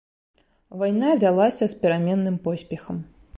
Вайна вялася з пераменным поспехам.